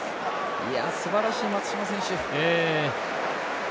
すばらしい、松島選手。